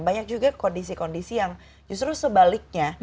banyak juga kondisi kondisi yang justru sebaliknya